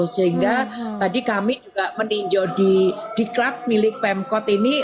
sehingga tadi kami juga meninjau di diklat milik pemkot ini